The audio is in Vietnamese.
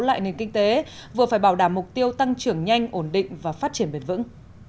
lại nền kinh tế vừa phải bảo đảm mục tiêu tăng trưởng nhanh ổn định và phát triển bền vững